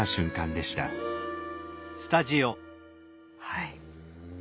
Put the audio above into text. はい。